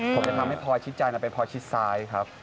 ผมจะทำให้พอชิดจันทร์เป็นพอชิดซ้ายครับ